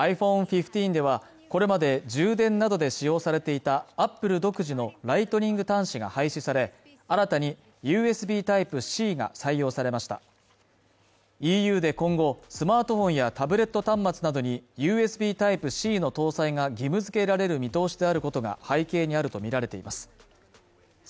１５ではこれまで充電などで使用されていたアップル独自のライトニング端子が廃止され新たにＵＳＢＴｙｐｅ−Ｃが採用されましたＥＵで今後スマートフォンやタブレット端末などにＵＳＢＴｙｐｅ−Ｃの搭載が義務づけられる見通しであることが背景にあるとみられています